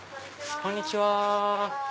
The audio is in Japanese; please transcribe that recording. こんにちは。